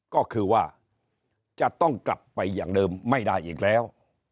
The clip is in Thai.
ก็คือว่าจะต้องกลับไปอย่างเดิมไม่ได้อีกแล้ว